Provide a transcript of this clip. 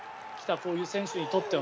こういう選手にとっては。